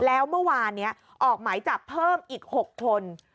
แล้วเมื่อวานนี้ออกหมายจับเพิ่มอีก๖คน